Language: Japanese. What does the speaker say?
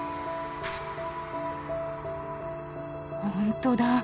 ほんとだ。